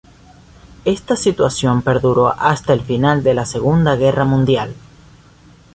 Esta situación perduró hasta el final de la Segunda Guerra Mundial.